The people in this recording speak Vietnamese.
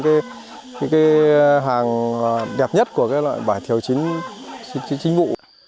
cao hơn cái hàng đẹp nhất của cái loại vải thiều chính vụ